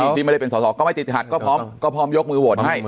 ที่ไม่ได้เป็นสอสอก็ไม่ติดหัดก็พร้อมยกมือโหวตให้